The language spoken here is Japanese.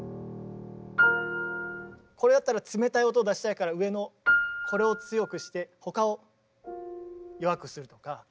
これだったら冷たい音を出したいから上のこれを強くして他を弱くするとか。